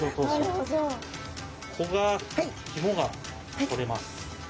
ここが肝が取れます。